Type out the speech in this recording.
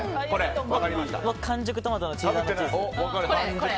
完熟トマトのチーズ＆チーズ。